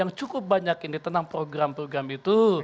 yang cukup banyak ini tentang program program itu